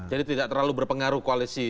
jadi tidak terlalu berpengaruh koalisi